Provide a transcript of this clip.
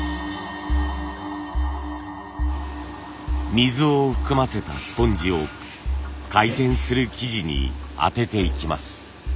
水を含ませたスポンジを回転する素地に当てていきます。